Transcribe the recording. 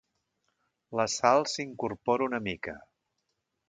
La Sal s'incorpora una mica.